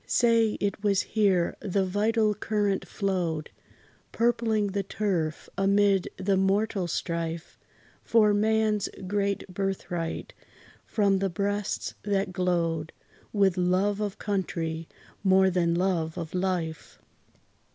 Say, it was here the vital current flowed, Purpling the turf, amid the mortal strife For man's great birthright, from the breasts, that glowed With love of country, more than love of life.